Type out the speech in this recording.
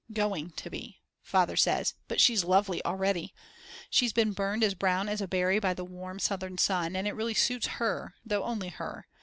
Going to be, Father says; but she's lovely already. She's been burned as brown as a berry by the warm southern sun, and it really suits her, though only her.